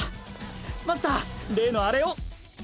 マスター例のあれを。